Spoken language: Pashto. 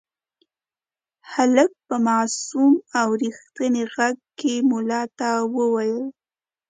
هلک په معصوم او رښتیني غږ کې ملا ته وویل.